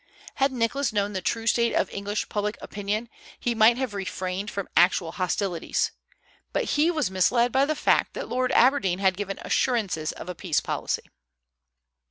Had Nicholas known the true state of English public opinion he might have refrained from actual hostilities; but he was misled by the fact that Lord Aberdeen had given assurances of a peace policy.